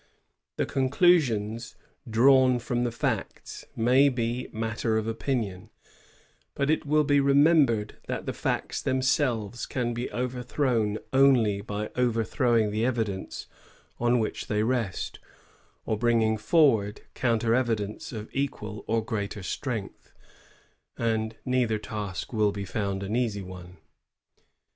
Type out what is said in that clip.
The conclusions drawn from the facts may be matter of opinion, but it will be remembered that the facts themselves can be overthrown only by overthrowing the evidence on which they rest, or bringing forward counter evidence of equal or greater strength; and neither task will be found an easy one.